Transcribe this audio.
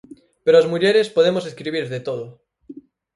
Pero as mulleres podemos escribir de todo.